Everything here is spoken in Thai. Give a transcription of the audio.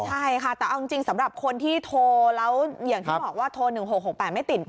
ใช่ค่ะแต่เอาจริงสำหรับคนที่โทรแล้วอย่างที่บอกว่าโทร๑๖๖๘ไม่ติดต่อ